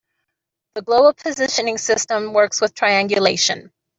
The global positioning system works with triangulation.